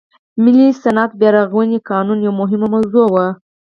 ملي صنعت بیا رغونې قانون یوه مهمه موضوع وه.